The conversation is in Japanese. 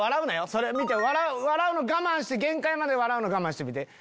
それ見て笑うの我慢して限界まで笑うの我慢してみて。